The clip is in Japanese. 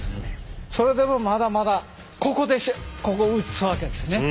それでもまだまだここでここを打つわけですね。